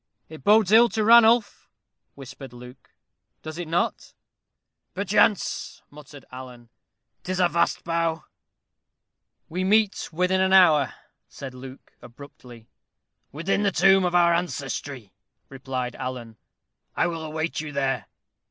"It bodes ill to Ranulph," whispered Luke, "does it not?" "Perchance," muttered Alan. "'Tis a vast bough!" "We meet within an hour," said Luke, abruptly. "Within the tomb of our ancestry," replied Alan; "I will await you there."